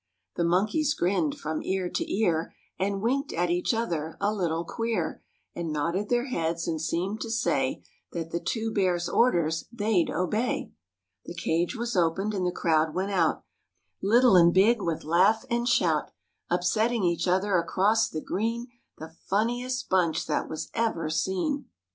The monkeys grinned from ear to ear And winked at each other a little queer, And nodded their heads and seemed to say That the two Bears' orders they'd obey. The cage was opened and the crowd went out, Little and big, with laugh and shout, Upsetting each other across the green, The funniest bunch that was ever seen.